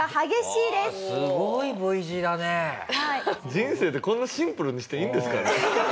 人生ってこんなシンプルにしていいんですかね？